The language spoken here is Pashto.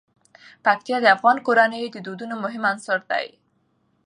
پکتیکا د افغان کورنیو د دودونو مهم عنصر دی.